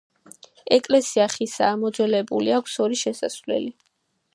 ეკლესია ხისაა, მოძველებული, აქვს ორი შესასვლელი.